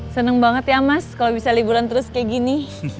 seneng banget ya mas kalau bisa liburan terus kayak gini